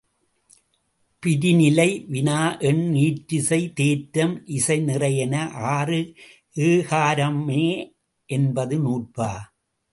பிரிநிலை வினாஎண் ஈற்றசை தேற்றம் இசைநிறை என ஆறு ஏகாரம்மே என்பது நூற்பா.